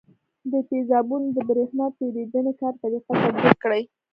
د تیزابونو د برېښنا تیریدنې کار طریقه تطبیق کړئ.